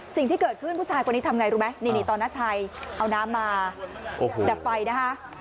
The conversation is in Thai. สิ่งที่เกิดขึ้นผู้ชายคนนี้ทำไงรู้ไหมนี่ตอนน้าชัยเอาน้ำมาดับไฟนะคะ